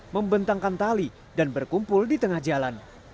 membentangkan tali dan berkumpul di tengah jalan